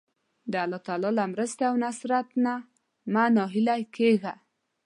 د الله تعالی له مرستې او نصرت نه مه ناهیلی کېږه.